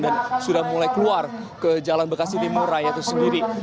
dan sudah mulai keluar ke jalan bekasi timur raya itu sendiri